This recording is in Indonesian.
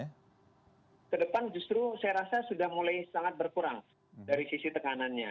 nah ke depan justru saya rasa sudah mulai sangat berkurang dari sisi tekanannya